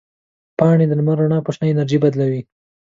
پاڼې د لمر رڼا په شنه انرژي بدلوي.